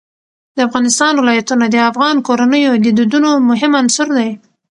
د افغانستان ولايتونه د افغان کورنیو د دودونو مهم عنصر دی.